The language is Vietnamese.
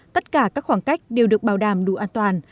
tất cả các khoảng cách đều được bảo đảm đủ an toàn